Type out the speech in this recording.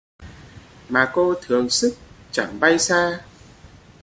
Mà cô thường xức, chẳng bay xa